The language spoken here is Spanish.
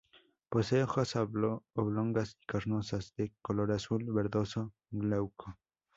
Posee hojas oblongas y carnosas de color azul verdoso glauco.